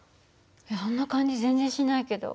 そんな感じ全然しないけど。